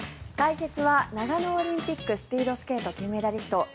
解説は長野オリンピックスピードスケート金メダリスト